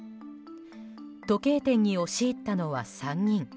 時計店に押し入ったのは３人。